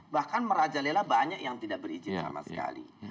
bahkan merajalela banyak yang tidak berizin sama sekali